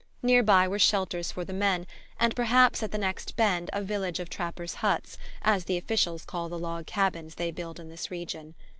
Near by were shelters for the men, and perhaps at the next bend a village of "trappers' huts," as the officers call the log cabins they build in this region.